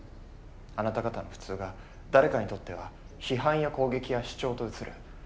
あなた方の普通が誰かにとっては批判や攻撃や主張と映る。